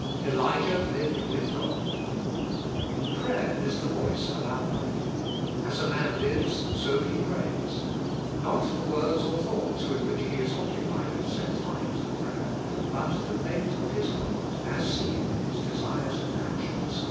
Elijah Lived with God. Prayer is the voice of our life. As a man lives BO he prays. Not the words or thoughts with which he is occupied at set times of prayer, but the bent of his heart as seen in his desires and actions